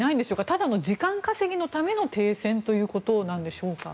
ただの時間稼ぎのための停戦ということなんでしょうか。